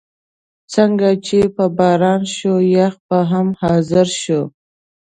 څنګه چې به باران شو، یخ به هم حاضر شو.